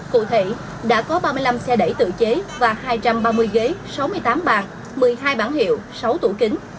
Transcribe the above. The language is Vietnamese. cụ thể đã có ba mươi năm xe đẩy tự chế và hai trăm ba mươi ghế sáu mươi tám bàn một mươi hai bản hiệu sáu tủ kính